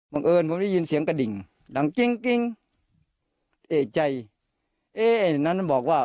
บังเอิญผมได้ยินเสียงกระดิ่งดังกิ้งกิ้งเจ้าหน้าที่นั้นบอกว่า